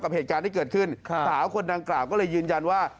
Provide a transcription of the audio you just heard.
เหตุการณ์ที่เกิดขึ้นสาวคนดังกล่าวก็เลยยืนยันว่า